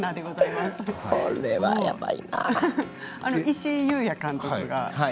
石井裕也監督が。